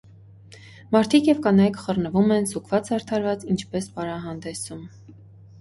Մարդիկ և կանայք խռնվում են զուգված-զարդարված, ինչպես պարահանդեսում: